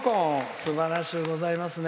すばらしゅうございますね。